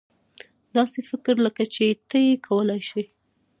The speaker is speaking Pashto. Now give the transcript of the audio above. داسې فکر لکه چې ته یې کولای شې.